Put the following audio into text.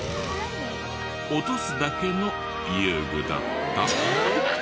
落とすだけの遊具だった。